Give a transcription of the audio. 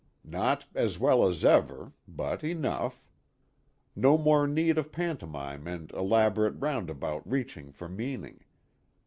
Not "as well as ever," but enough. No more need of pantomime and elaborate roundabout reach ings for meaning.